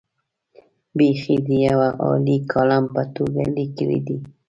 بېخي د یوه عالي کالم په توګه لیکلي دي.